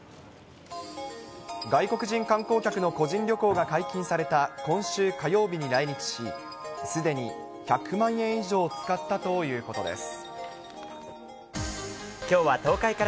外国人観光客の個人旅行が解禁された今週火曜日に来日し、すでに１００万円以上使ったということです。